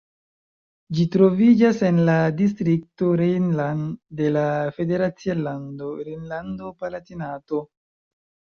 Ĝi troviĝas en la distrikto Rhein-Lahn de la federacia lando Rejnlando-Palatinato.